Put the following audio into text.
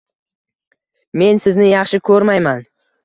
“men sizni yaxshi ko‘rmayman